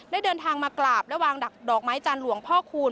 เดินทางมากราบและวางดอกไม้จันทร์หลวงพ่อคูณ